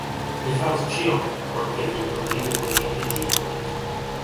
Mi faros ĉion por ke vi kunvidu kun mia edzino